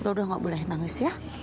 kalau udah gak boleh nangis ya